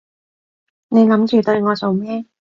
你諗住對我做咩？